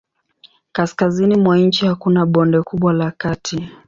Kaskazini mwa nchi hakuna bonde kubwa la kati.